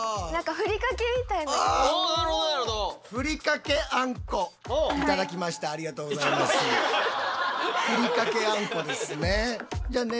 ふりかけあんこですね。